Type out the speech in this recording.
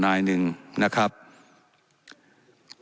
และยังเป็นประธานกรรมการอีก